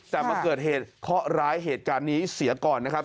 แต่มาเกิดเหตุเคาะร้ายเหตุการณ์นี้เสียก่อนนะครับ